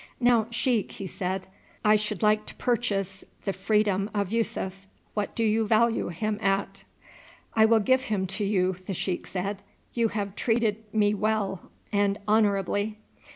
"Now, sheik," he said, "I should like to purchase the freedom of Yussuf. What do you value him at?" "I will give him to you," the sheik said. "You have treated me well and honourably."